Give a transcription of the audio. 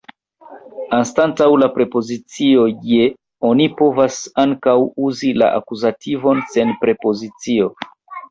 Anstataŭ la prepozicio je oni povas ankaŭ uzi la akuzativon sen prepozicio.